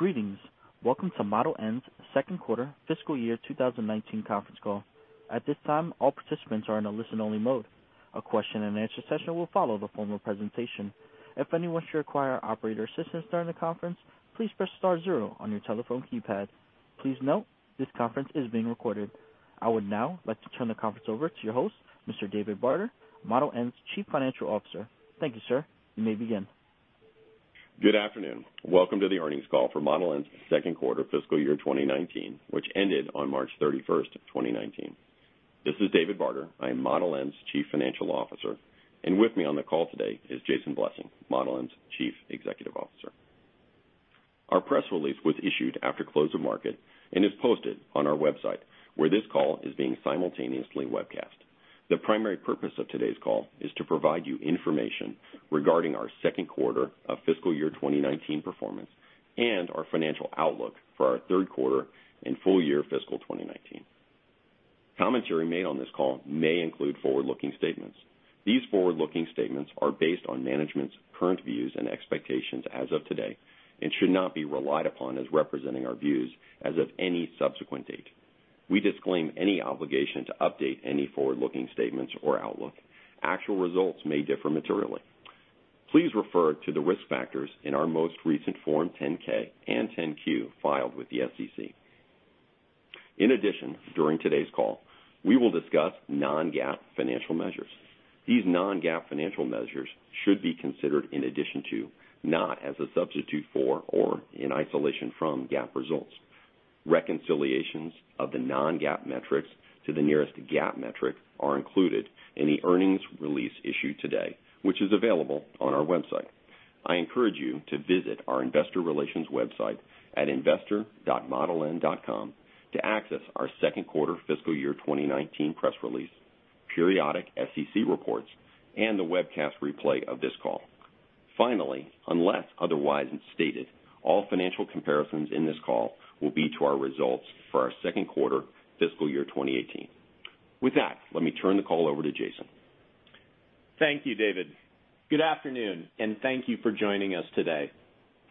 Greetings. Welcome to Model N's second quarter fiscal year 2019 conference call. At this time, all participants are in a listen-only mode. A question and answer session will follow the formal presentation. If anyone should require operator assistance during the conference, please press star zero on your telephone keypad. Please note this conference is being recorded. I would now like to turn the conference over to your host, Mr. David Barter, Model N's Chief Financial Officer. Thank you, sir. You may begin. Good afternoon. Welcome to the earnings call for Model N's second quarter fiscal year 2019, which ended on March 31st, 2019. This is David Barter, I am Model N's Chief Financial Officer, and with me on the call today is Jason Blessing, Model N's Chief Executive Officer. Our press release was issued after close of market and is posted on our website where this call is being simultaneously webcast. The primary purpose of today's call is to provide you information regarding our second quarter of fiscal year 2019 performance and our financial outlook for our third quarter and full year fiscal 2019. Comments made on this call may include forward-looking statements. These forward-looking statements are based on management's current views and expectations as of today and should not be relied upon as representing our views as of any subsequent date. We disclaim any obligation to update any forward-looking statements or outlook. Actual results may differ materially. Please refer to the risk factors in our most recent Form 10-K and 10-Q filed with the SEC. In addition, during today's call, we will discuss non-GAAP financial measures. These non-GAAP financial measures should be considered in addition to, not as a substitute for or in isolation from GAAP results. Reconciliations of the non-GAAP metrics to the nearest GAAP metric are included in the earnings release issued today, which is available on our website. I encourage you to visit our investor relations website at investor.modeln.com to access our second quarter fiscal year 2019 press release, periodic SEC reports, and the webcast replay of this call. Finally, unless otherwise stated, all financial comparisons in this call will be to our results for our second quarter fiscal year 2018. With that, let me turn the call over to Jason. Thank you, David. Good afternoon, and thank you for joining us today.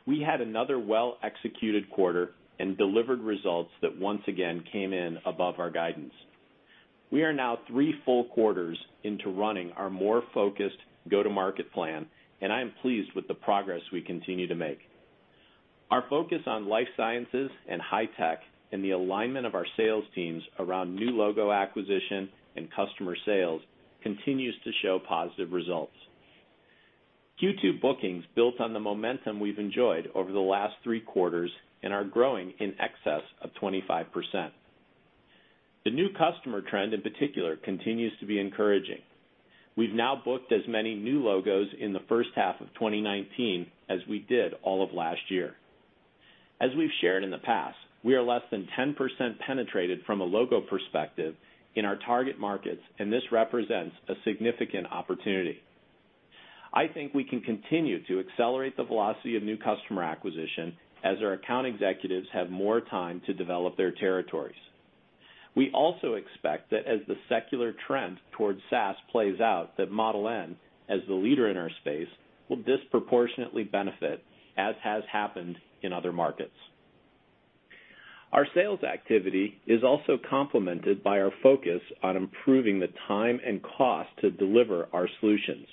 We had another well-executed quarter and delivered results that once again came in above our guidance. We are now three full quarters into running our more focused go-to-market plan. I am pleased with the progress we continue to make. Our focus on life sciences and high tech and the alignment of our sales teams around new logo acquisition and customer sales continues to show positive results. Q2 bookings built on the momentum we've enjoyed over the last three quarters and are growing in excess of 25%. The new customer trend in particular, continues to be encouraging. We've now booked as many new logos in the first half of 2019 as we did all of last year. As we've shared in the past, we are less than 10% penetrated from a logo perspective in our target markets. This represents a significant opportunity. I think we can continue to accelerate the velocity of new customer acquisition as our account executives have more time to develop their territories. We also expect that as the secular trend towards SaaS plays out, that Model N, as the leader in our space, will disproportionately benefit, as has happened in other markets. Our sales activity is also complemented by our focus on improving the time and cost to deliver our solutions.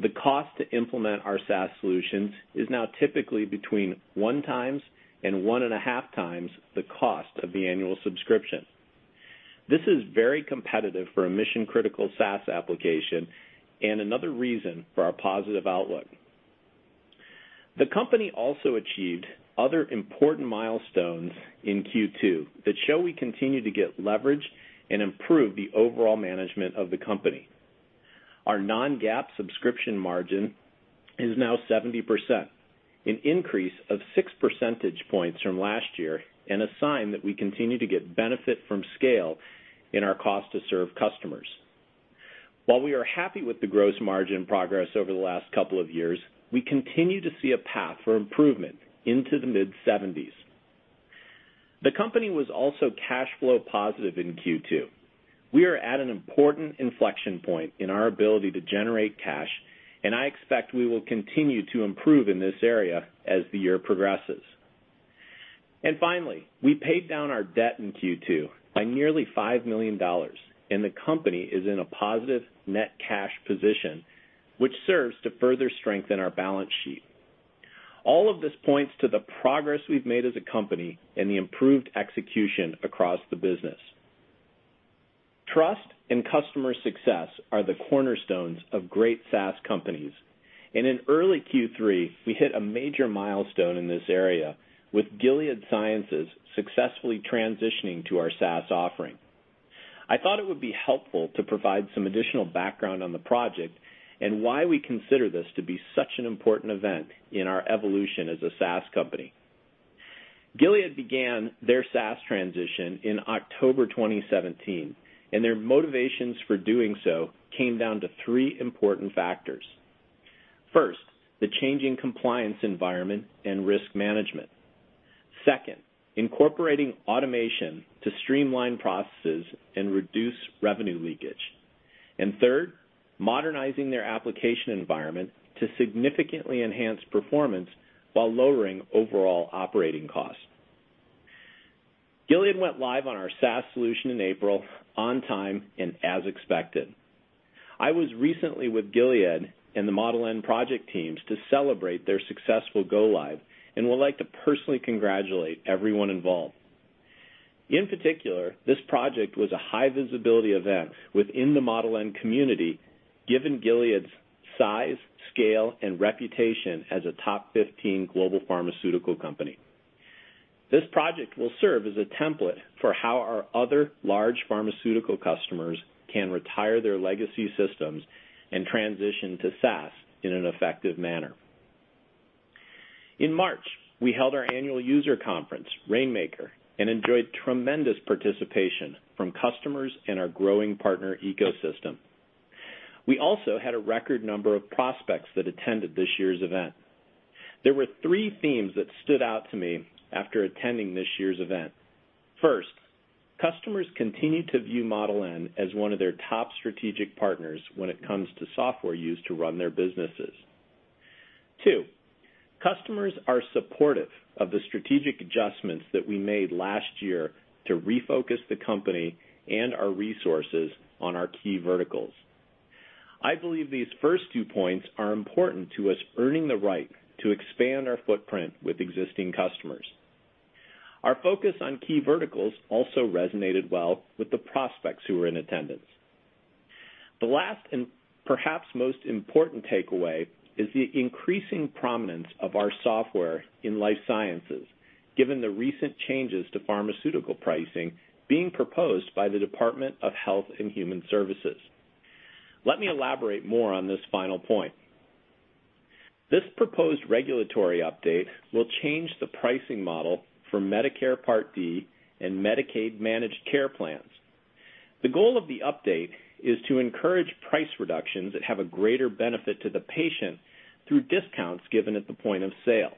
The cost to implement our SaaS solutions is now typically between one times and one and a half times the cost of the annual subscription. This is very competitive for a mission-critical SaaS application and another reason for our positive outlook. The company also achieved other important milestones in Q2 that show we continue to get leverage and improve the overall management of the company. Our non-GAAP subscription margin is now 70%, an increase of six percentage points from last year. This is a sign that we continue to get benefit from scale in our cost to serve customers. While we are happy with the gross margin progress over the last couple of years, we continue to see a path for improvement into the mid-seventies. The company was also cash flow positive in Q2. We are at an important inflection point in our ability to generate cash. I expect we will continue to improve in this area as the year progresses. Finally, we paid down our debt in Q2 by nearly $5 million. The company is in a positive net cash position, which serves to further strengthen our balance sheet. All of this points to the progress we've made as a company and the improved execution across the business. Trust and customer success are the cornerstones of great SaaS companies. In early Q3, we hit a major milestone in this area with Gilead Sciences successfully transitioning to our SaaS offering. I thought it would be helpful to provide some additional background on the project and why we consider this to be such an important event in our evolution as a SaaS company. Gilead began their SaaS transition in October 2017. Their motivations for doing so came down to three important factors. First, the changing compliance environment and risk management. Second, incorporating automation to streamline processes and reduce revenue leakage. Third, modernizing their application environment to significantly enhance performance while lowering overall operating costs. Gilead went live on our SaaS solution in April, on time, and as expected. I was recently with Gilead and the Model N project teams to celebrate their successful go-live, and would like to personally congratulate everyone involved. In particular, this project was a high-visibility event within the Model N community, given Gilead's size, scale, and reputation as a top 15 global pharmaceutical company. This project will serve as a template for how our other large pharmaceutical customers can retire their legacy systems and transition to SaaS in an effective manner. In March, we held our annual user conference, Rainmaker, and enjoyed tremendous participation from customers and our growing partner ecosystem. We also had a record number of prospects that attended this year's event. There were three themes that stood out to me after attending this year's event. First, customers continue to view Model N as one of their top strategic partners when it comes to software used to run their businesses. Two, customers are supportive of the strategic adjustments that we made last year to refocus the company and our resources on our key verticals. I believe these first two points are important to us earning the right to expand our footprint with existing customers. Our focus on key verticals also resonated well with the prospects who were in attendance. The last, and perhaps most important takeaway, is the increasing prominence of our software in life sciences, given the recent changes to pharmaceutical pricing being proposed by the Department of Health and Human Services. Let me elaborate more on this final point. This proposed regulatory update will change the pricing model for Medicare Part D and Medicaid managed care plans. The goal of the update is to encourage price reductions that have a greater benefit to the patient through discounts given at the point of sale.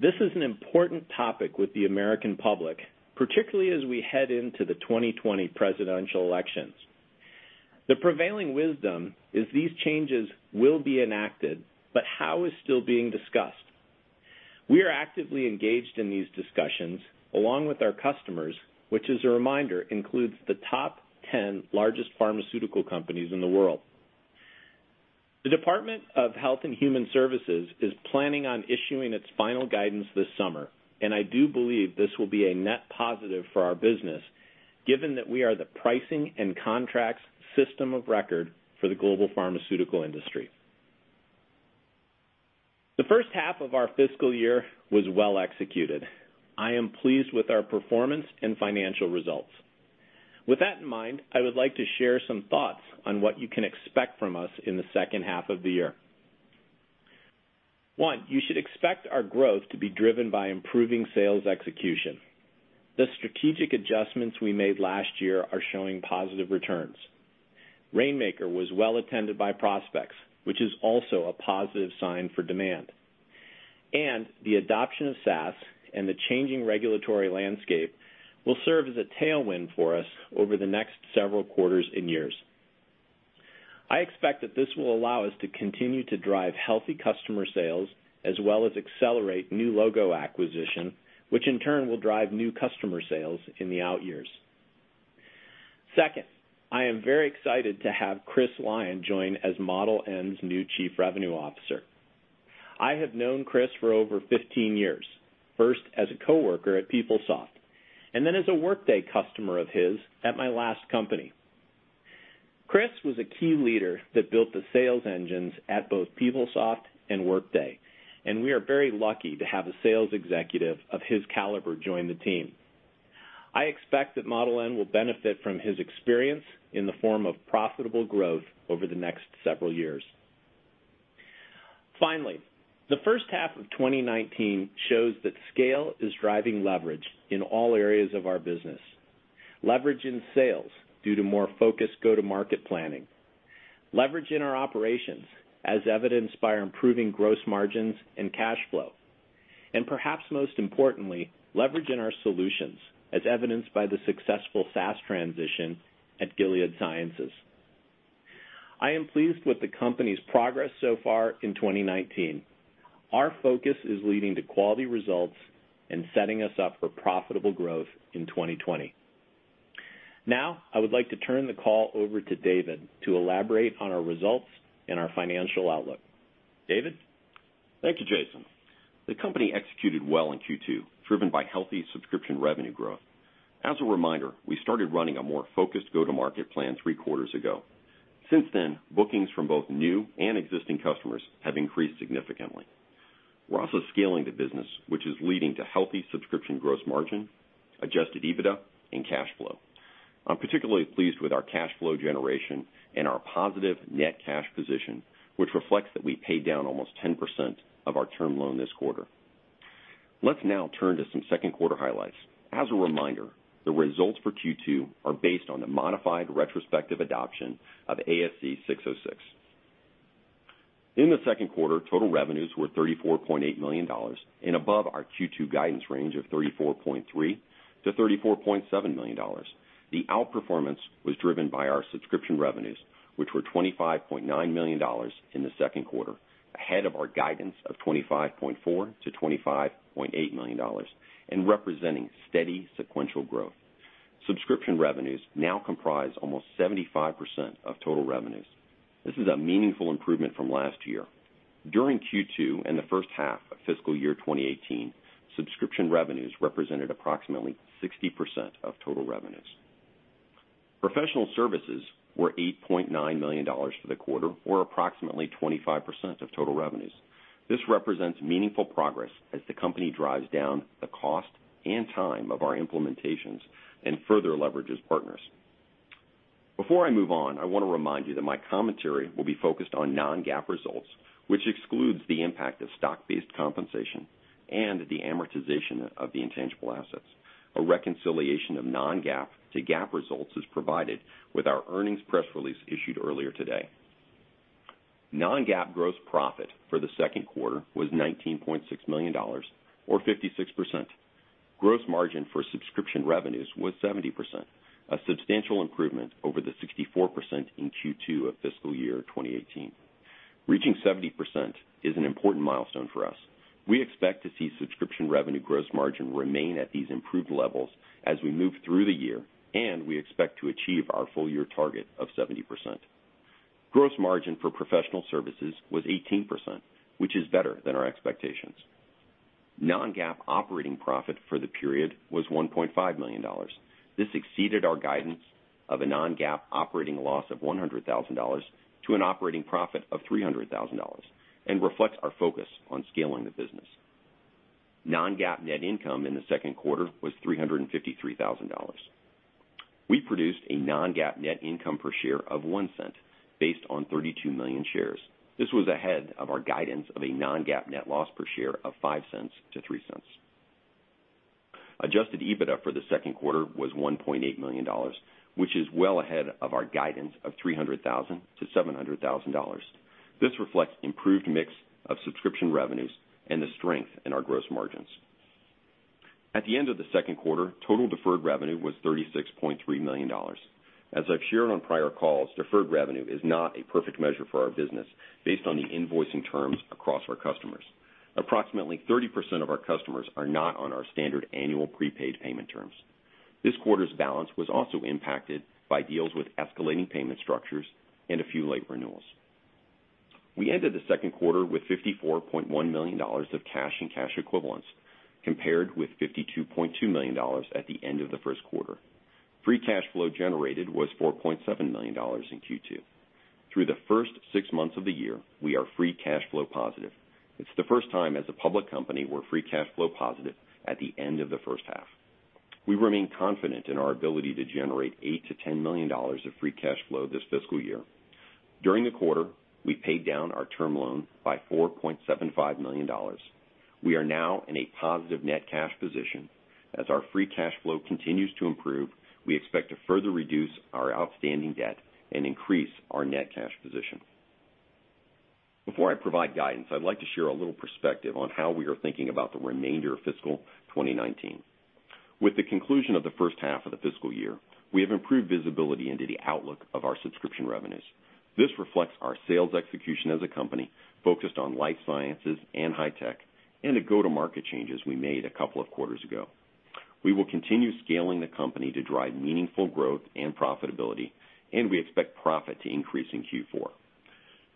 This is an important topic with the American public, particularly as we head into the 2020 presidential elections. The prevailing wisdom is these changes will be enacted, but how is still being discussed. We are actively engaged in these discussions, along with our customers, which, as a reminder, includes the top 10 largest pharmaceutical companies in the world. The Department of Health and Human Services is planning on issuing its final guidance this summer. I do believe this will be a net positive for our business, given that we are the pricing and contracts system of record for the global pharmaceutical industry. The first half of our fiscal year was well executed. I am pleased with our performance and financial results. With that in mind, I would like to share some thoughts on what you can expect from us in the second half of the year. One, you should expect our growth to be driven by improving sales execution. The strategic adjustments we made last year are showing positive returns. Rainmaker was well attended by prospects, which is also a positive sign for demand. The adoption of SaaS and the changing regulatory landscape will serve as a tailwind for us over the next several quarters and years. I expect that this will allow us to continue to drive healthy customer sales, as well as accelerate new logo acquisition, which in turn will drive new customer sales in the out years. Second, I am very excited to have Chris Lynch join as Model N's new chief revenue officer. I have known Chris for over 15 years. First, as a coworker at PeopleSoft, and then as a Workday customer of his at my last company. Chris was a key leader that built the sales engines at both PeopleSoft and Workday, and we are very lucky to have a sales executive of his caliber join the team. I expect that Model N will benefit from his experience in the form of profitable growth over the next several years. Finally, the first half of 2019 shows that scale is driving leverage in all areas of our business. Leverage in sales due to more focused go-to-market planning. Leverage in our operations, as evidenced by improving gross margins and cash flow. And perhaps most importantly, leverage in our solutions, as evidenced by the successful SaaS transition at Gilead Sciences. I am pleased with the company's progress so far in 2019. Our focus is leading to quality results and setting us up for profitable growth in 2020. Now, I would like to turn the call over to David to elaborate on our results and our financial outlook. David? Thank you, Jason. The company executed well in Q2, driven by healthy subscription revenue growth. As a reminder, we started running a more focused go-to-market plan three quarters ago. Since then, bookings from both new and existing customers have increased significantly. We're also scaling the business, which is leading to healthy subscription gross margin, adjusted EBITDA, and cash flow. I'm particularly pleased with our cash flow generation and our positive net cash position, which reflects that we paid down almost 10% of our term loan this quarter. Let's now turn to some second quarter highlights. As a reminder, the results for Q2 are based on the modified retrospective adoption of ASC 606. In the second quarter, total revenues were $34.8 million and above our Q2 guidance range of $34.3 million-$34.7 million. The outperformance was driven by our subscription revenues, which were $25.9 million in the second quarter, ahead of our guidance of $25.4 million-$25.8 million, and representing steady sequential growth. Subscription revenues now comprise almost 75% of total revenues. This is a meaningful improvement from last year. During Q2 and the first half of fiscal year 2018, subscription revenues represented approximately 60% of total revenues. Professional services were $8.9 million for the quarter, or approximately 25% of total revenues. This represents meaningful progress as the company drives down the cost and time of our implementations and further leverages partners. Before I move on, I want to remind you that my commentary will be focused on non-GAAP results, which excludes the impact of stock-based compensation and the amortization of the intangible assets. A reconciliation of non-GAAP to GAAP results is provided with our earnings press release issued earlier today. Non-GAAP gross profit for the second quarter was $19.6 million, or 56%. Gross margin for subscription revenues was 70%, a substantial improvement over the 64% in Q2 of fiscal year 2018. Reaching 70% is an important milestone for us. We expect to see subscription revenue gross margin remain at these improved levels as we move through the year, and we expect to achieve our full-year target of 70%. Gross margin for professional services was 18%, which is better than our expectations. Non-GAAP operating profit for the period was $1.5 million. This exceeded our guidance of a non-GAAP operating loss of $100,000 to an operating profit of $300,000 and reflects our focus on scaling the business. Non-GAAP net income in the second quarter was $353,000. We produced a non-GAAP net income per share of $0.01, based on 32 million shares. This was ahead of our guidance of a non-GAAP net loss per share of $0.05-$0.03. Adjusted EBITDA for the second quarter was $1.8 million, which is well ahead of our guidance of $300,000-$700,000. This reflects improved mix of subscription revenues and the strength in our gross margins. At the end of the second quarter, total deferred revenue was $36.3 million. As I've shared on prior calls, deferred revenue is not a perfect measure for our business based on the invoicing terms across our customers. Approximately 30% of our customers are not on our standard annual prepaid payment terms. This quarter's balance was also impacted by deals with escalating payment structures and a few late renewals. We ended the second quarter with $54.1 million of cash and cash equivalents, compared with $52.2 million at the end of the first quarter. Free cash flow generated was $4.7 million in Q2. Through the first six months of the year, we are free cash flow positive. It's the first time as a public company we're free cash flow positive at the end of the first half. We remain confident in our ability to generate $8 million-$10 million of free cash flow this fiscal year. During the quarter, we paid down our term loan by $4.75 million. We are now in a positive net cash position. As our free cash flow continues to improve, we expect to further reduce our outstanding debt and increase our net cash position. Before I provide guidance, I'd like to share a little perspective on how we are thinking about the remainder of fiscal 2019. With the conclusion of the first half of the fiscal year, we have improved visibility into the outlook of our subscription revenues. This reflects our sales execution as a company focused on life sciences and high tech, and the go-to-market changes we made a couple of quarters ago. We will continue scaling the company to drive meaningful growth and profitability, and we expect profit to increase in Q4.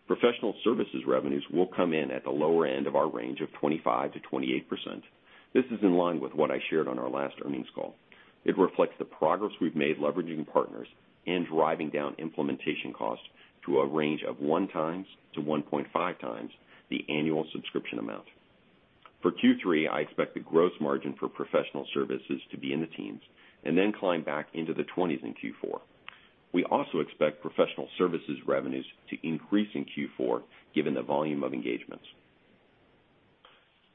Professional services revenues will come in at the lower end of our range of 25%-28%. This is in line with what I shared on our last earnings call. It reflects the progress we've made leveraging partners and driving down implementation costs to a range of one times-1.5 times the annual subscription amount. For Q3, I expect the gross margin for professional services to be in the teens and then climb back into the 20s in Q4. We also expect professional services revenues to increase in Q4, given the volume of engagements.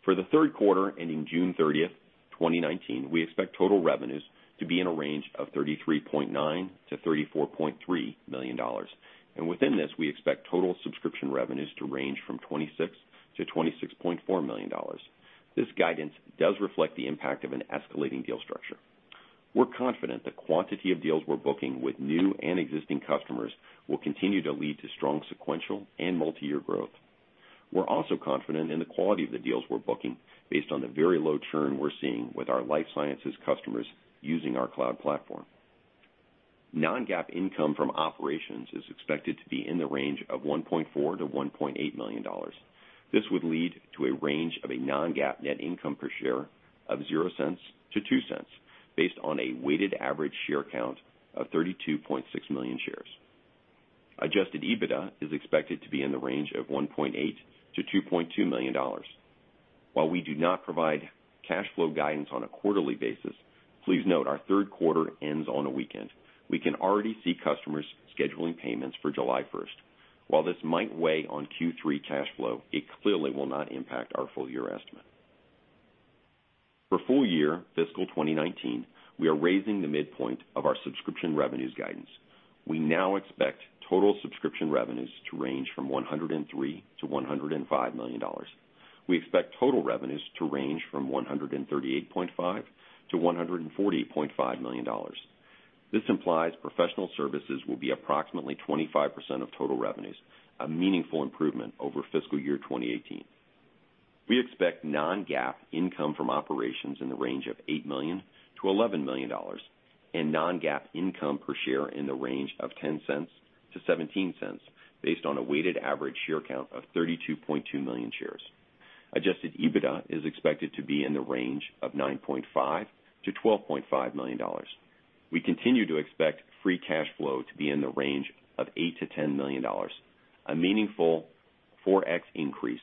For the third quarter ending June 30th, 2019, we expect total revenues to be in a range of $33.9 million-$34.3 million. Within this, we expect total subscription revenues to range from $26 million-$26.4 million. This guidance does reflect the impact of an escalating deal structure. We're confident the quantity of deals we're booking with new and existing customers will continue to lead to strong sequential and multiyear growth. We're also confident in the quality of the deals we're booking based on the very low churn we're seeing with our life sciences customers using our cloud platform. Non-GAAP income from operations is expected to be in the range of $1.4 million-$1.8 million. This would lead to a range of a non-GAAP net income per share of $0.00-$0.02, based on a weighted average share count of 32.6 million shares. Adjusted EBITDA is expected to be in the range of $1.8 million-$2.2 million. While we do not provide cash flow guidance on a quarterly basis, please note our third quarter ends on a weekend. We can already see customers scheduling payments for July 1st. While this might weigh on Q3 cash flow, it clearly will not impact our full year estimate. For full year fiscal 2019, we are raising the midpoint of our subscription revenues guidance. We now expect total subscription revenues to range from $103 million-$105 million. We expect total revenues to range from $138.5 million-$140.5 million. This implies professional services will be approximately 25% of total revenues, a meaningful improvement over fiscal year 2018. We expect non-GAAP income from operations in the range of $8 million-$11 million, and non-GAAP income per share in the range of $0.10-$0.17 based on a weighted average share count of 32.2 million shares. Adjusted EBITDA is expected to be in the range of $9.5 million-$12.5 million. We continue to expect free cash flow to be in the range of $8 million-$10 million, a meaningful 4x increase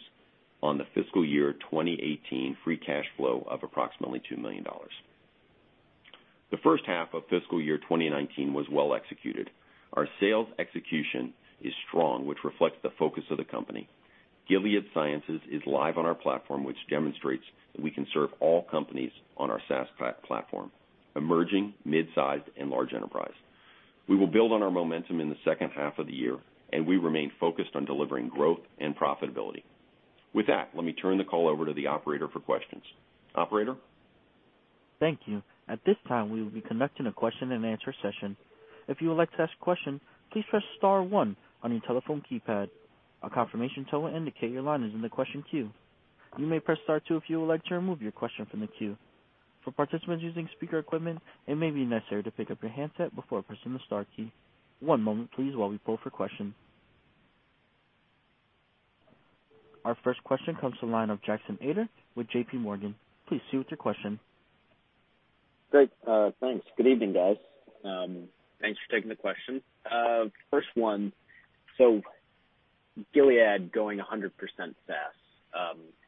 on the fiscal year 2018 free cash flow of approximately $2 million. The first half of fiscal year 2019 was well executed. Our sales execution is strong, which reflects the focus of the company. Gilead Sciences is live on our platform, which demonstrates that we can serve all companies on our SaaS platform, emerging, mid-sized, and large enterprise. We will build on our momentum in the second half of the year. We remain focused on delivering growth and profitability. With that, let me turn the call over to the operator for questions. Operator? Thank you. At this time, we will be conducting a question and answer session. If you would like to ask a question, please press star one on your telephone keypad. A confirmation tone will indicate your line is in the question queue. You may press star two if you would like to remove your question from the queue. For participants using speaker equipment, it may be necessary to pick up your handset before pressing the star key. One moment, please, while we pull for questions. Our first question comes from the line of Jackson Ader with JPMorgan, please proceed with your question. Great. Thanks. Good evening, guys. Thanks for taking the question. Gilead going 100% SaaS,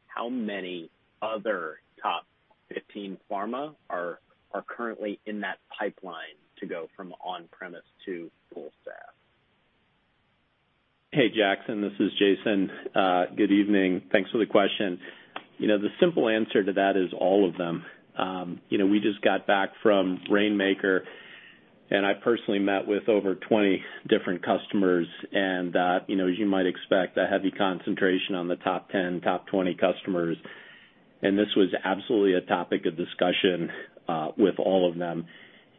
how many other top 15 pharma are currently in that pipeline to go from on-premise to full SaaS? Hey, Jackson, this is Jason. Good evening. Thanks for the question. The simple answer to that is all of them. We just got back from Rainmaker, I personally met with over 20 different customers, as you might expect, a heavy concentration on the top 10, top 20 customers, this was absolutely a topic of discussion, with all of them.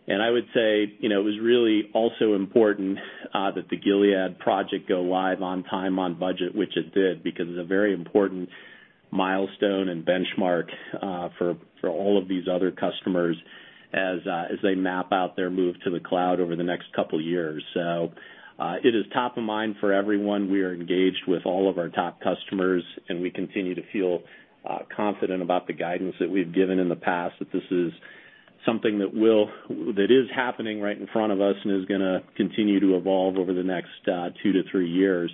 I would say, it was really also important that the Gilead project go live on time, on budget, which it did, because it's a very important milestone and benchmark for all of these other customers as they map out their move to the cloud over the next couple of years. It is top of mind for everyone. We are engaged with all of our top customers, we continue to feel confident about the guidance that we've given in the past, that this is something that is happening right in front of us and is going to continue to evolve over the next two to three years.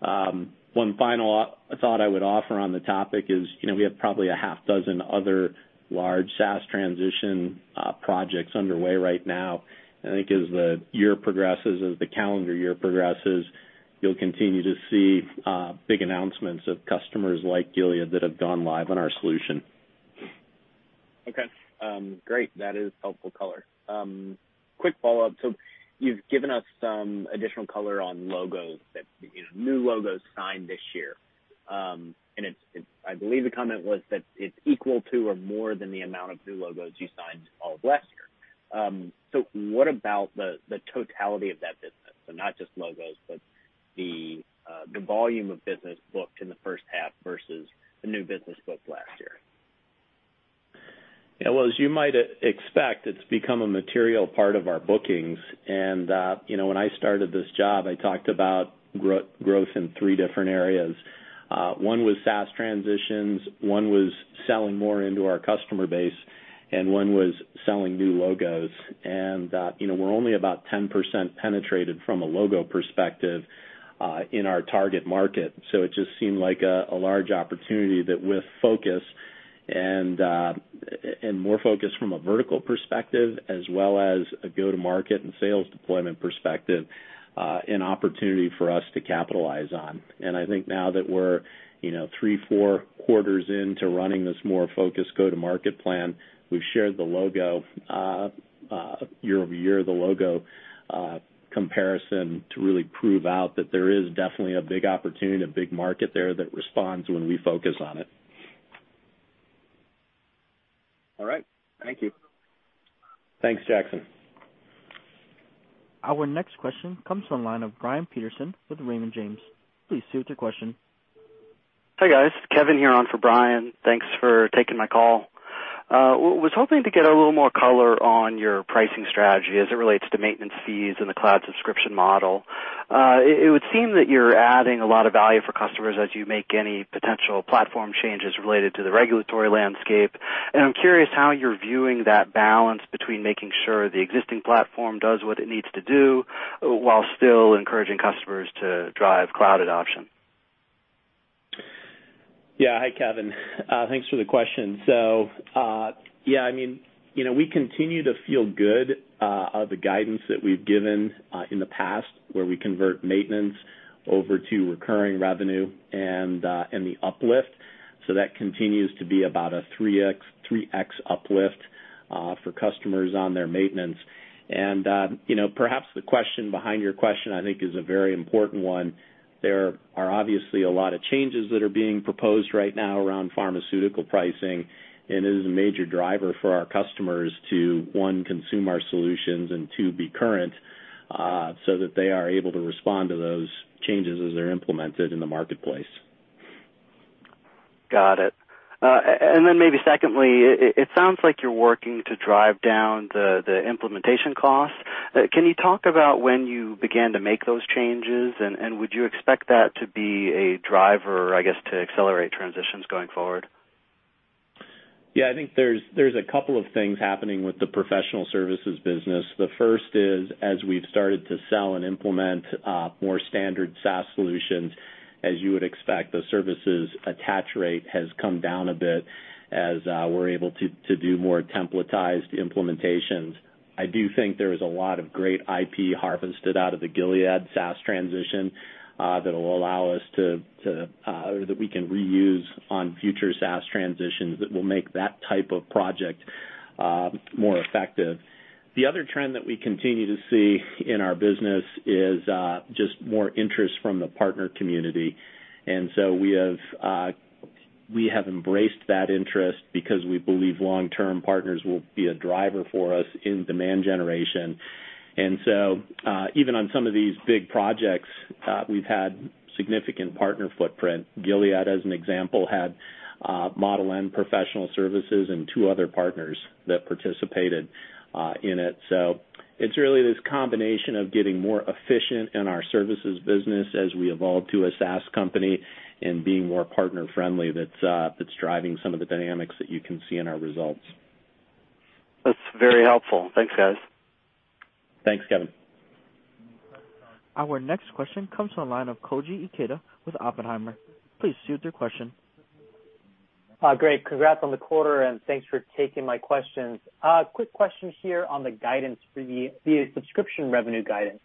One final thought I would offer on the topic is, we have probably a half dozen other large SaaS transition projects underway right now. I think as the year progresses, as the calendar year progresses, you'll continue to see big announcements of customers like Gilead that have gone live on our solution. Okay. Great. That is helpful color. Quick follow-up. You've given us some additional color on logos, new logos signed this year. I believe the comment was that it's equal to or more than the amount of new logos you signed all of last year. What about the totality of that business? Not just logos, but the volume of business booked in the first half versus the new business booked last year? Yeah. Well, as you might expect, it's become a material part of our bookings. When I started this job, I talked about growth in three different areas. One was SaaS transitions, one was selling more into our customer base, and one was selling new logos. We're only about 10% penetrated from a logo perspective in our target market. It just seemed like a large opportunity that with focus and more focus from a vertical perspective as well as a go-to-market and sales deployment perspective, an opportunity for us to capitalize on. I think now that we're three, four quarters into running this more focused go-to-market plan, we've shared the logo, year-over-year, the logo comparison to really prove out that there is definitely a big opportunity, a big market there that responds when we focus on it. All right. Thank you. Thanks, Jackson. Our next question comes from the line of Brian Peterson with Raymond James. Please proceed with your question. Hi, guys. Kevin here on for Brian. Thanks for taking my call. I was hoping to get a little more color on your pricing strategy as it relates to maintenance fees and the cloud subscription model. It would seem that you're adding a lot of value for customers as you make any potential platform changes related to the regulatory landscape, I'm curious how you're viewing that balance between making sure the existing platform does what it needs to do while still encouraging customers to drive cloud adoption. Yeah. Hi, Kevin. Thanks for the question. Yeah, we continue to feel good of the guidance that we've given in the past where we convert maintenance over to recurring revenue and the uplift. That continues to be about a 3X uplift For customers on their maintenance. Perhaps the question behind your question, I think, is a very important one. There are obviously a lot of changes that are being proposed right now around pharmaceutical pricing, and it is a major driver for our customers to, one, consume our solutions, and two, be current, so that they are able to respond to those changes as they're implemented in the marketplace. Maybe secondly, it sounds like you're working to drive down the implementation costs. Can you talk about when you began to make those changes, and would you expect that to be a driver, I guess, to accelerate transitions going forward? Yeah, I think there's a couple of things happening with the professional services business. The first is, as we've started to sell and implement more standard SaaS solutions, as you would expect, the services attach rate has come down a bit as we're able to do more templatized implementations. I do think there is a lot of great IP harvested out of the Gilead SaaS transition that we can reuse on future SaaS transitions that will make that type of project more effective. The other trend that we continue to see in our business is just more interest from the partner community. We have embraced that interest because we believe long-term partners will be a driver for us in demand generation. Even on some of these big projects, we've had significant partner footprint. Gilead, as an example, had Model N professional services and two other partners that participated in it. It's really this combination of getting more efficient in our services business as we evolve to a SaaS company and being more partner-friendly that's driving some of the dynamics that you can see in our results. That's very helpful. Thanks, guys. Thanks, Kevin. Our next question comes from the line of Koji Ikeda with Oppenheimer. Please proceed with your question. Great. Congrats on the quarter, and thanks for taking my questions. A quick question here on the guidance for the subscription revenue guidance.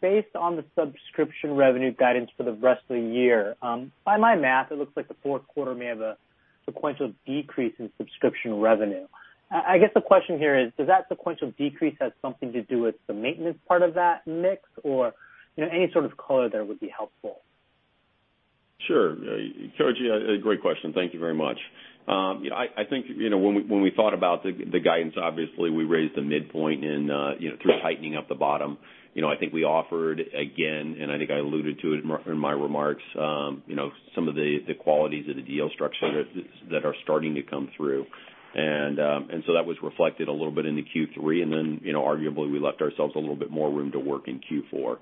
Based on the subscription revenue guidance for the rest of the year, by my math, it looks like the fourth quarter may have a sequential decrease in subscription revenue. I guess the question here is, does that sequential decrease have something to do with the maintenance part of that mix? Any sort of color there would be helpful. Sure. Koji, great question. Thank you very much. I think when we thought about the guidance, obviously, we raised the midpoint through tightening up the bottom. I think we offered, again, and I think I alluded to it in my remarks, some of the qualities of the deal structure that are starting to come through. That was reflected a little bit into Q3, arguably, we left ourselves a little bit more room to work in Q4.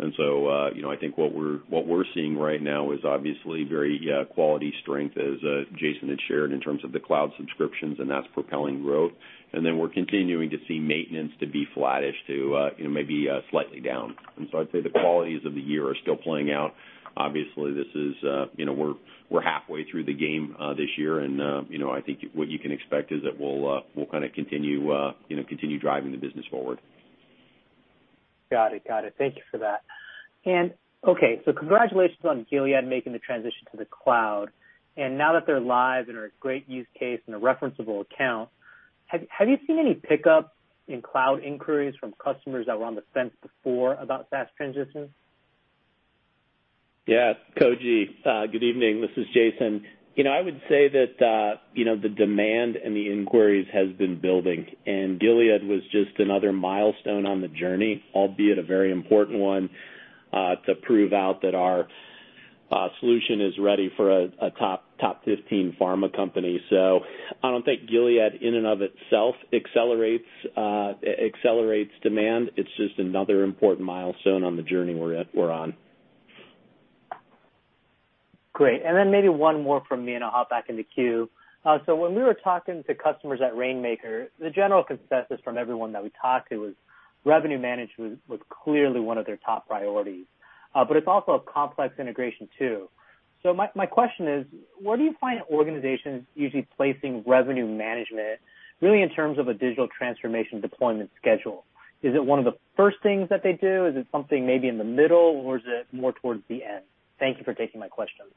I think what we're seeing right now is obviously very quality strength as Jason had shared in terms of the cloud subscriptions, and that's propelling growth. We're continuing to see maintenance to be flattish to maybe slightly down. I'd say the qualities of the year are still playing out. Obviously, we're halfway through the game this year. I think what you can expect is that we'll continue driving the business forward. Got it. Thank you for that. Okay, congratulations on Gilead making the transition to the cloud. Now that they're live and are a great use case and a referenceable account, have you seen any pickup in cloud inquiries from customers that were on the fence before about SaaS transitions? Yeah, Koji, good evening. This is Jason. I would say that the demand and the inquiries has been building. Gilead was just another milestone on the journey, albeit a very important one, to prove out that our solution is ready for a top 15 pharma company. I don't think Gilead in and of itself accelerates demand. It's just another important milestone on the journey we're on. Great. Then maybe one more from me, and I'll hop back in the queue. When we were talking to customers at Rainmaker, the general consensus from everyone that we talked to was revenue management was clearly one of their top priorities. It's also a complex integration too. My question is, where do you find organizations usually placing revenue management, really in terms of a digital transformation deployment schedule? Is it one of the first things that they do? Is it something maybe in the middle, or is it more towards the end? Thank you for taking my questions.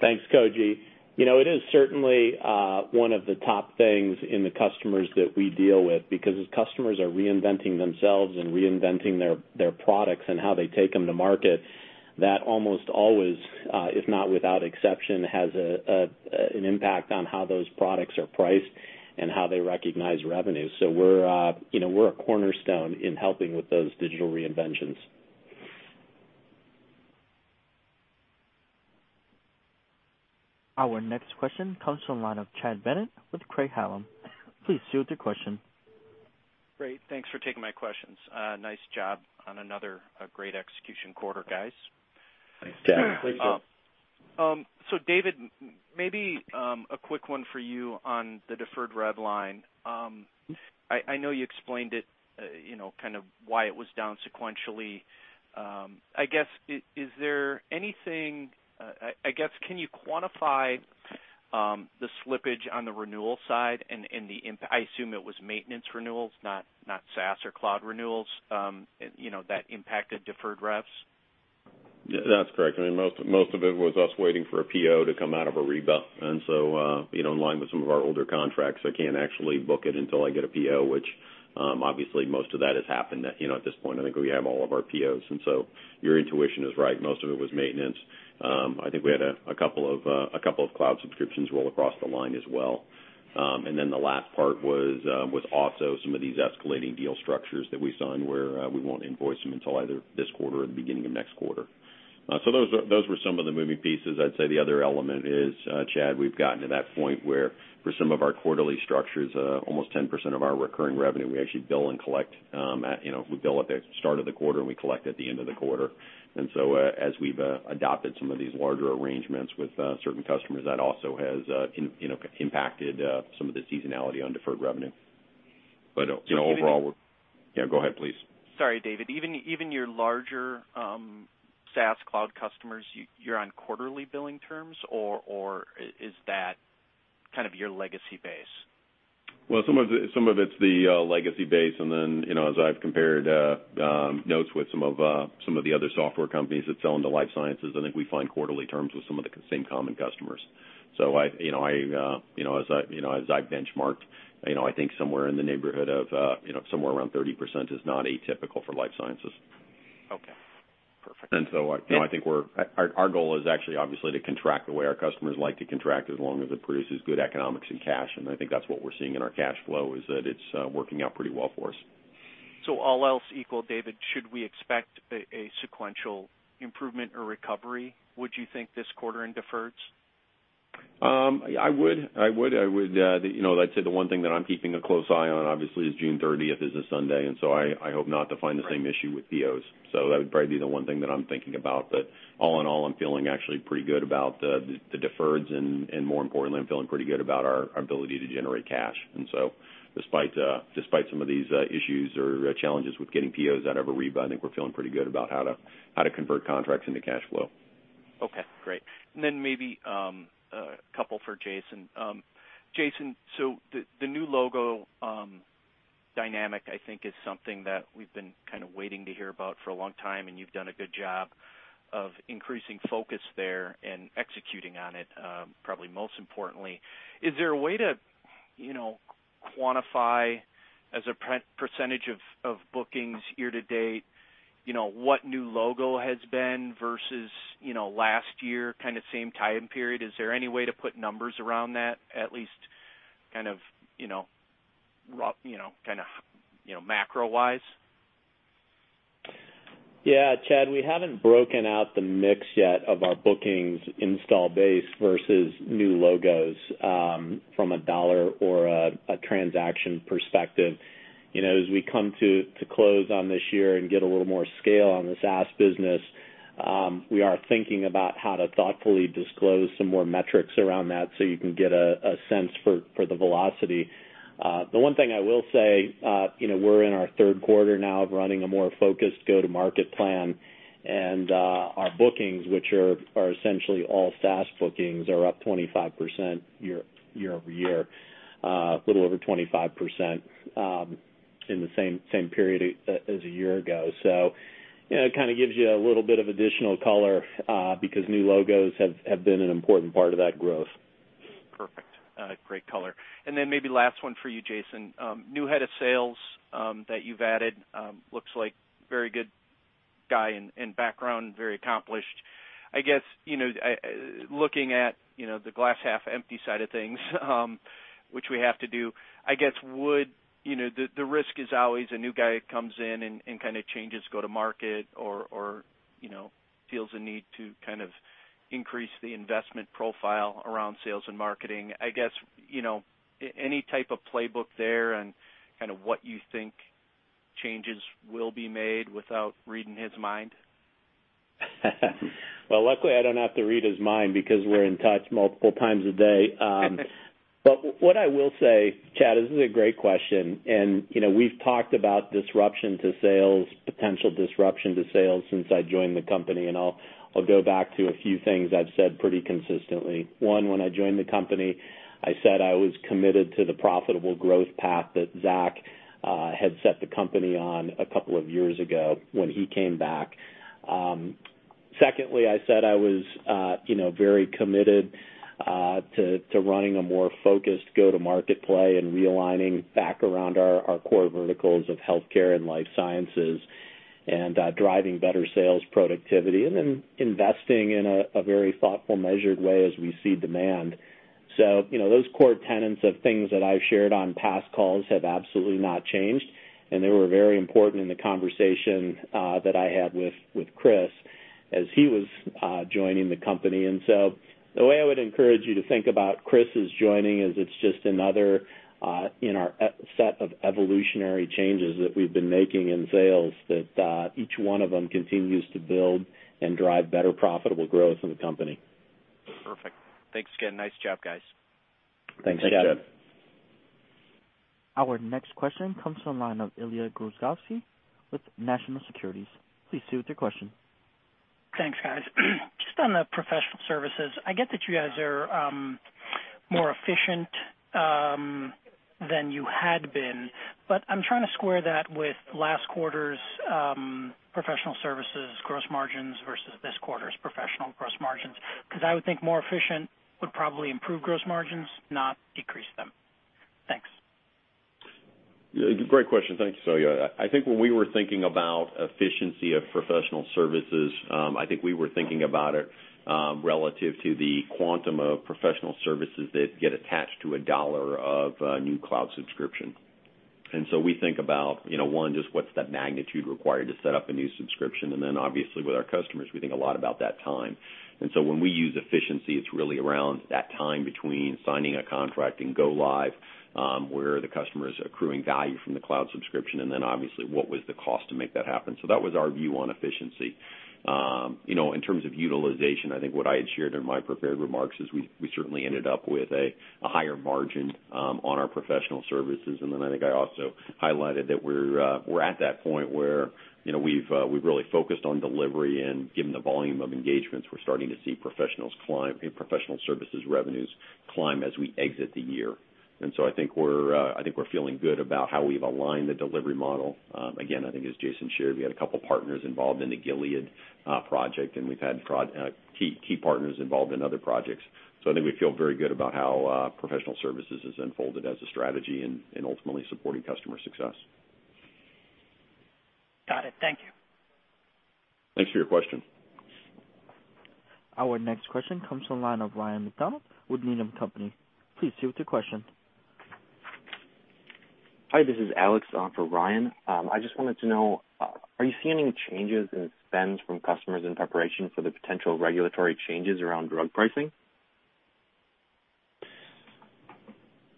Thanks, Koji. It is certainly one of the top things in the customers that we deal with, because as customers are reinventing themselves and reinventing their products and how they take them to market, that almost always, if not without exception, has an impact on how those products are priced and how they recognize revenue. We're a cornerstone in helping with those digital reinventions. Our next question comes from the line of Chad Bennett with Craig-Hallum. Please proceed with your question. Great. Thanks for taking my questions. Nice job on another great execution quarter, guys. Thanks, Chad. David, maybe a quick one for you on the deferred rev line. I know you explained it, kind of why it was down sequentially. I guess, can you quantify the slippage on the renewal side and the impact? I assume it was maintenance renewals, not SaaS or cloud renewals, that impacted deferred revs? That's correct. Most of it was us waiting for a PO to come out of Ariba. In line with some of our older contracts, I can't actually book it until I get a PO, which obviously most of that has happened. At this point, I think we have all of our POs. Your intuition is right. Most of it was maintenance. I think we had a couple of cloud subscriptions roll across the line as well. The last part was also some of these escalating deal structures that we signed, where we won't invoice them until either this quarter or the beginning of next quarter. Those were some of the moving pieces. I'd say the other element is, Chad, we've gotten to that point where for some of our quarterly structures, almost 10% of our recurring revenue, we actually bill at the start of the quarter, and we collect at the end of the quarter. As we've adopted some of these larger arrangements with certain customers, that also has impacted some of the seasonality on deferred revenue. Yeah, go ahead, please. Sorry, David. Even your larger SaaS cloud customers, you're on quarterly billing terms? Is that kind of your legacy base? Well, some of it's the legacy base. Then, as I've compared notes with some of the other software companies that sell into life sciences, I think we find quarterly terms with some of the same common customers. As I benchmarked, I think somewhere around 30% is not atypical for life sciences. Okay. Perfect. I think our goal is actually obviously to contract the way our customers like to contract, as long as it produces good economics and cash. I think that's what we're seeing in our cash flow, is that it's working out pretty well for us. All else equal, David, should we expect a sequential improvement or recovery, would you think, this quarter in deferreds? I would. I'd say the one thing that I'm keeping a close eye on, obviously, is June 30th is a Sunday. I hope not to find the same issue with POs. That would probably be the one thing that I'm thinking about. All in all, I'm feeling actually pretty good about the deferreds and more importantly, I'm feeling pretty good about our ability to generate cash. Despite some of these issues or challenges with getting POs out of Ariba, I think we're feeling pretty good about how to convert contracts into cash flow. Okay, great. Maybe a couple for Jason. Jason. Jason, the new logo dynamic, I think is something that we've been kind of waiting to hear about for a long time, and you've done a good job of increasing focus there and executing on it probably most importantly. Is there a way to quantify as a percentage of bookings year-to-date, what new logo has been versus last year, kind of same time period? Is there any way to put numbers around that, at least kind of macro-wise? Yeah, Chad, we haven't broken out the mix yet of our bookings install base versus new logos, from a dollar or a transaction perspective. As we come to close on this year and get a little more scale on the SaaS business, we are thinking about how to thoughtfully disclose some more metrics around that so you can get a sense for the velocity. The one thing I will say, we're in our third quarter now of running a more focused go-to-market plan. Our bookings, which are essentially all SaaS bookings, are up 25% year-over-year. A little over 25% in the same period as a year ago. It kind of gives you a little bit of additional color, because new logos have been an important part of that growth. Perfect. Great color. Maybe last one for you, Jason. New head of sales that you've added, looks like very good guy and background, very accomplished. I guess, looking at the glass half-empty side of things which we have to do, I guess the risk is always a new guy comes in and kind of changes go-to-market or feels a need to increase the investment profile around sales and marketing. I guess, any type of playbook there on what you think changes will be made without reading his mind? Luckily, I don't have to read his mind because we're in touch multiple times a day. What I will say, Chad, this is a great question, and we've talked about disruption to sales, potential disruption to sales since I joined the company, and I'll go back to a few things I've said pretty consistently. One, when I joined the company, I said I was committed to the profitable growth path that Zack had set the company on a couple of years ago when he came back. Secondly, I said I was very committed to running a more focused go-to-market play and realigning back around our core verticals of healthcare and life sciences and driving better sales productivity and then investing in a very thoughtful, measured way as we see demand. Those core tenets of things that I've shared on past calls have absolutely not changed, and they were very important in the conversation that I had with Chris as he was joining the company. The way I would encourage you to think about Chris's joining is it's just another in our set of evolutionary changes that we've been making in sales, that each one of them continues to build and drive better profitable growth in the company. Perfect. Thanks again. Nice job, guys. Thanks, Chad. Thanks, Chad. Our next question comes from the line of Ilya Grozovsky with National Securities. Please proceed with your question. Thanks, guys. Just on the professional services, I get that you guys are more efficient than you had been. I'm trying to square that with last quarter's professional services gross margins versus this quarter's professional gross margins, I would think more efficient would probably improve gross margins, not decrease them. Thanks. Great question. I think when we were thinking about efficiency of professional services, I think we were thinking about it relative to the quantum of professional services that get attached to a $1 of new cloud subscription. We think about, one, just what's that magnitude required to set up a new subscription, and then obviously with our customers, we think a lot about that time. When we use efficiency, it's really around that time between signing a contract and go live, where the customer is accruing value from the cloud subscription, and then obviously what was the cost to make that happen. That was our view on efficiency. In terms of utilization, I think what I had shared in my prepared remarks is we certainly ended up with a higher margin on our professional services. I think I also highlighted that we're at that point where we've really focused on delivery and given the volume of engagements, we're starting to see professional services revenues climb as we exit the year. I think we're feeling good about how we've aligned the delivery model. Again, I think as Jason shared, we had a couple partners involved in the Gilead project, and we've had key partners involved in other projects. I think we feel very good about how professional services has unfolded as a strategy and ultimately supporting customer success. Got it. Thank you. Thanks for your question. Our next question comes from the line of Ryan MacDonald with Needham & Company. Please proceed with your question. Hi, this is Alex for Ryan. I just wanted to know, are you seeing any changes in spends from customers in preparation for the potential regulatory changes around drug pricing?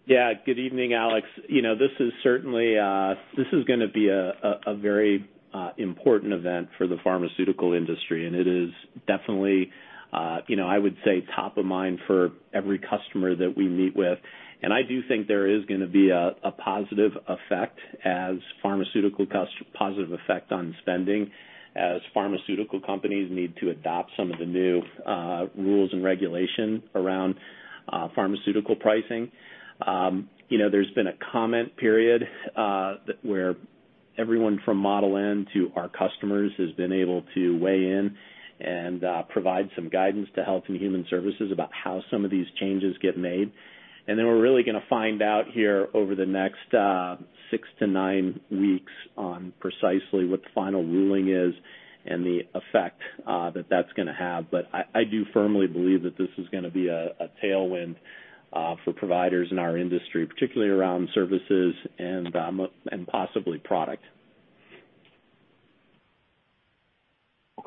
Yeah. Good evening, Alex. This is going to be a very important event for the pharmaceutical industry, it is definitely, I would say, top of mind for every customer that we meet with. I do think there is going to be a positive effect on spending as pharmaceutical companies need to adopt some of the new rules and regulation around pharmaceutical pricing. There's been a comment period, where everyone from Model N to our customers has been able to weigh in and provide some guidance to Health and Human Services about how some of these changes get made. Then we're really going to find out here over the next six to nine weeks on precisely what the final ruling is and the effect that that's going to have. I do firmly believe that this is going to be a tailwind for providers in our industry, particularly around services and possibly product.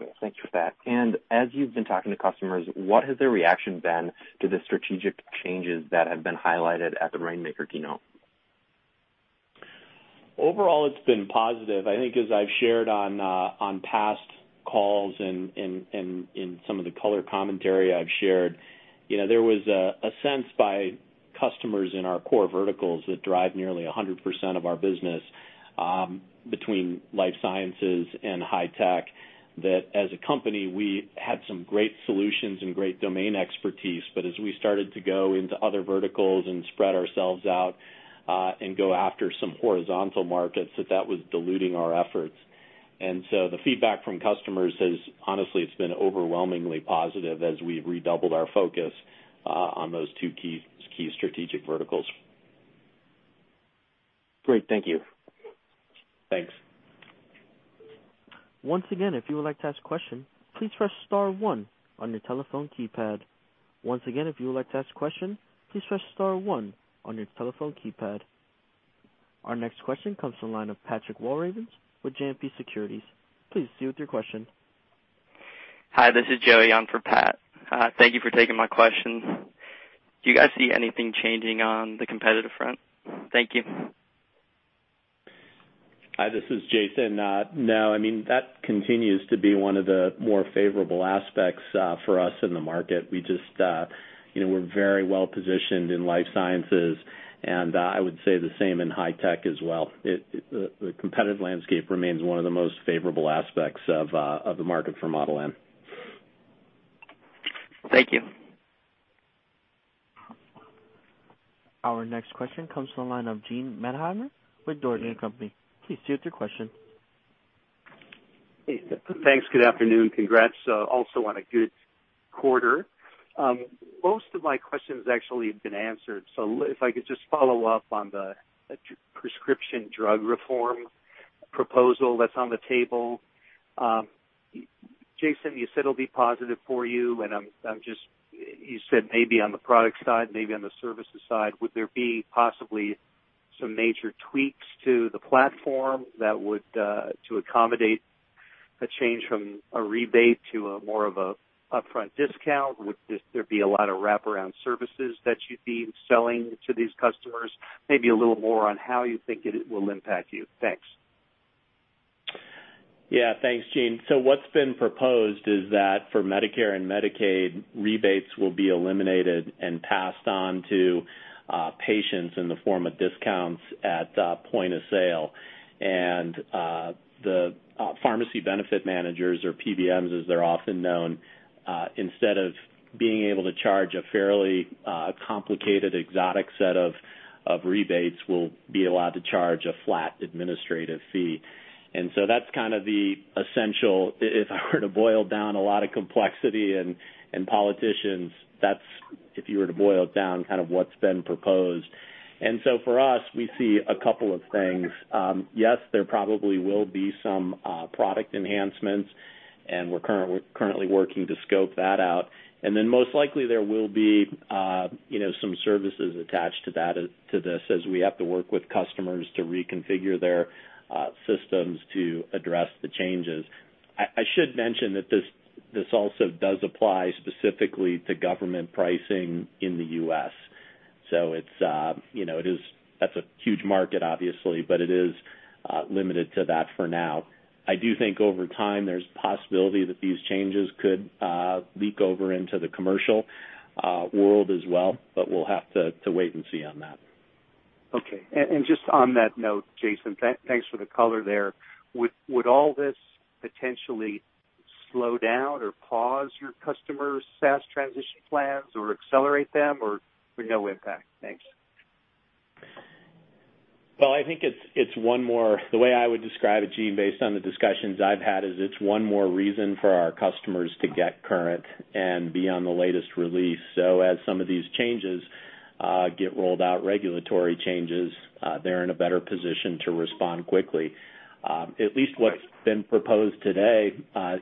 Okay. Thanks for that. As you've been talking to customers, what has their reaction been to the strategic changes that have been highlighted at the Rainmaker keynote? Overall, it's been positive. I think as I've shared on past calls and in some of the color commentary I've shared, there was a sense by customers in our core verticals that drive nearly 100% of our business, between life sciences and high tech, that as a company, we had some great solutions and great domain expertise, but as we started to go into other verticals and spread ourselves out, and go after some horizontal markets, that was diluting our efforts. The feedback from customers has, honestly, it's been overwhelmingly positive as we've redoubled our focus on those two key strategic verticals. Great. Thank you. Thanks. Once again, if you would like to ask a question, please press star one on your telephone keypad. Once again, if you would like to ask a question, please press star one on your telephone keypad. Our next question comes from the line of Patrick Walravens with JMP Securities. Please proceed with your question. Hi, this is Joey on for Pat. Thank you for taking my questions. Do you guys see anything changing on the competitive front? Thank you. Hi, this is Jason. No, that continues to be one of the more favorable aspects for us in the market. We're very well-positioned in life sciences, and I would say the same in high tech as well. The competitive landscape remains one of the most favorable aspects of the market for Model N. Thank you. Our next question comes from the line of Gene Mendenhall with Dougherty & Company. Please proceed with your question. Thanks. Good afternoon. Congrats also on a good quarter. Most of my questions actually have been answered. If I could just follow up on the prescription drug reform proposal that's on the table. Jason, you said it'll be positive for you, and you said maybe on the product side, maybe on the services side. Would there be possibly some major tweaks to the platform to accommodate a change from a rebate to a more of a upfront discount? Would there be a lot of wraparound services that you'd be selling to these customers? Maybe a little more on how you think it will impact you. Thanks. Yeah. Thanks, Gene. What's been proposed is that for Medicare and Medicaid, rebates will be eliminated and passed on to patients in the form of discounts at point of sale. The pharmacy benefit managers, or PBMs as they're often known, instead of being able to charge a fairly complicated, exotic set of rebates, will be allowed to charge a flat administrative fee. That's kind of the essential, if I were to boil down a lot of complexity and politicians, that's, if you were to boil it down, kind of what's been proposed. For us, we see a couple of things. Yes, there probably will be some product enhancements, and we're currently working to scope that out. Most likely there will be some services attached to this as we have to work with customers to reconfigure their systems to address the changes. I should mention that this also does apply specifically to government pricing in the U.S. That's a huge market obviously, but it is limited to that for now. I do think over time there's a possibility that these changes could leak over into the commercial world as well, but we'll have to wait and see on that. Okay. Just on that note, Jason, thanks for the color there. Would all this potentially slow down or pause your customers' SaaS transition plans or accelerate them, or no impact? Thanks. Well, The way I would describe it, Gene, based on the discussions I've had, is it's one more reason for our customers to get current and be on the latest release. As some of these changes get rolled out, regulatory changes, they're in a better position to respond quickly. At least what's been proposed today,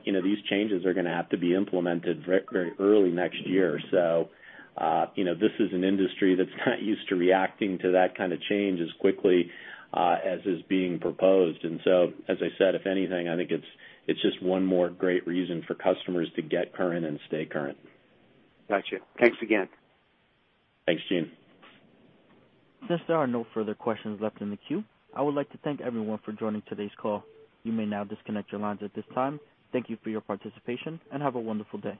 these changes are going to have to be implemented very early next year. This is an industry that's not used to reacting to that kind of change as quickly as is being proposed. As I said, if anything, I think it's just one more great reason for customers to get current and stay current. Got you. Thanks again. Thanks, Gene. Since there are no further questions left in the queue, I would like to thank everyone for joining today's call. You may now disconnect your lines at this time. Thank you for your participation, and have a wonderful day.